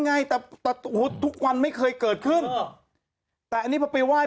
ไงแต่ทุกวันไม่เคยเกิดขึ้นเออแต่อันนี้พอไปไหว้